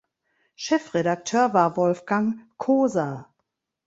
Chefredakteur war Wolfgang Koser.